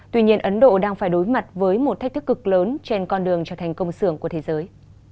tuy nhiên ấn độ đang phải đối mặt với một thách thức cực lớn trên con đường trở thành công xưởng của thế giới